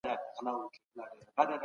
ملي شورا نړیوال ملاتړ نه هیروي.